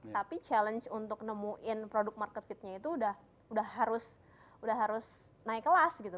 tapi challenge untuk nemuin product market fit nya itu udah harus naik kelas gitu